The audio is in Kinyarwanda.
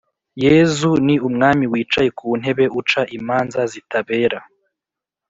yezu ni umwami Wicaye ku ntebe uca imanza zitabera